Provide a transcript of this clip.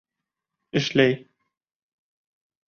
Эшләй.